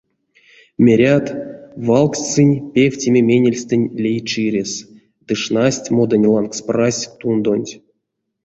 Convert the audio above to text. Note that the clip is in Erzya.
Мерят, валгсть сынь певтеме менельстэнть лей чирес ды шнасть моданть лангс празь тундонть.